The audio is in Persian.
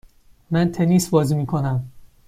من تنیس بازی میکنم.